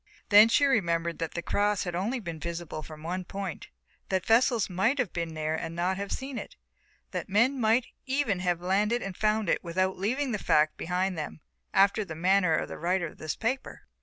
Then she remembered that the cross had been only visible from one point, that vessels might have been here and not have seen it, that men might even have landed and found it without leaving the fact behind them, after the manner of the writer of this paper.